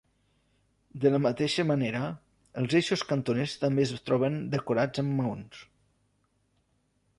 De la mateixa manera, els eixos cantoners també es troben decorats amb maons.